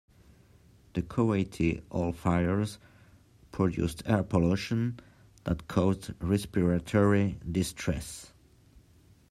The Kuwaiti oil fires produced air pollution that caused respiratory distress.